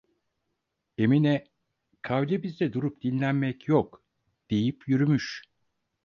Emine: 'Kavlimizde durup dinlenmek yok!' deyip yürümüş.